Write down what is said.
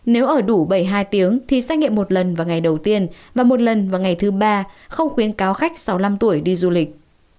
nếu ở đủ bảy mươi hai tiếng thì xét nghiệm một lần vào ngày đầu tiên và một lần vào ngày thứ ba không khuyến cáo khách sáu mươi năm tuổi đi du lịch